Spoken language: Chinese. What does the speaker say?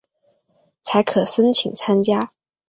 才可申请参加